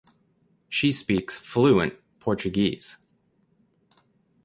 She speaks fluent Portuguese.